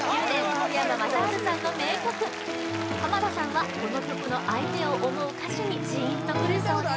福山雅治さんの名曲濱田さんはこの曲の相手を思う歌詞にジーンとくるそうです